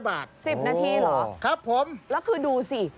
บาท๑๐นาทีเหรอครับผมแล้วคือดูสิ